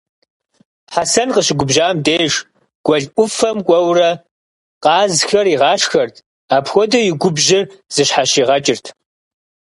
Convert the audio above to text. Хьэсэн къыщыгубжьам деж, гуэл ӏуфэм кӏуэурэ къазхэр игъашхэрт, апхуэдэу и губжьыр зыщхьэщигъэкӏырт.